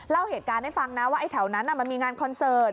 เล่าเหตุการณ์ให้ฟังนะว่าไอ้แถวนั้นมันมีงานคอนเสิร์ต